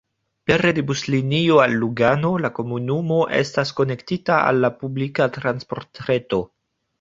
Pere de buslinio al Lugano la komunumo estas konektita al la publika transportreto.